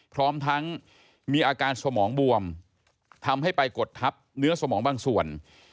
พร้อมทั้งมีอาการสมองบวมทำให้ไปกดทับเนื้อสมองบางส่วน